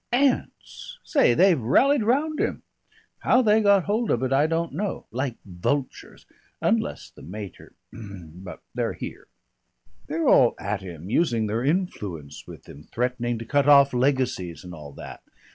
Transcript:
"Aunts. Say, they've rallied round him. How they got hold of it I don't know. Like vultures. Unless the mater But they're here. They're all at him using their influence with him, threatening to cut off legacies and all that.